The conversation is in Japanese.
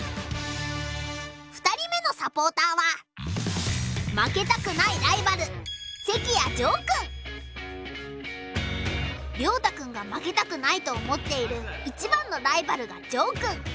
２人目のサポーターは凌大くんが負けたくないと思っているいちばんのライバルが譲くん。